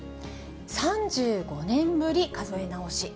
３５年ぶり数え直し。